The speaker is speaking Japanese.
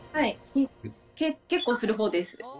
結構するほうです。